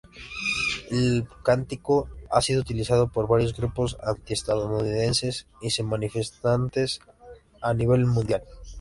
El cántico ha sido utilizado por varios grupos antiestadounidenses y manifestantes a nivel mundial.